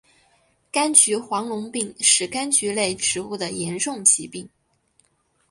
柑橘黄龙病是柑橘类植物的严重疾病。